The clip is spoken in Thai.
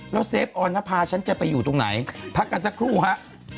แล้วเฟฟออนภาฉันจะไปอยู่ตรงไหนพักกันสักครู่ฮะ